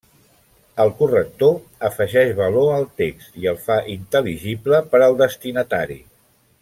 El corrector afegeix valor al text i el fa intel·ligible per al destinatari.